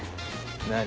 何？